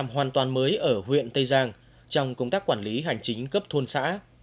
hoàn toàn mới ở huyện tây giang trong công tác quản lý hành chính cấp thôn xã